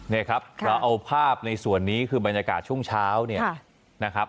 นี่ครับเราเอาภาพในส่วนนี้คือบรรยากาศช่วงเช้าเนี่ยนะครับ